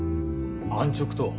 安直とは？